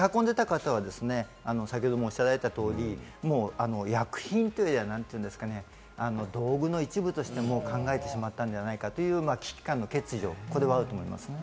ただ持ち運んでいた方は先ほどおっしゃられたように医薬品というよりは道具の一部として考えてしまったのではないかという危機感の欠如、これはあると思います。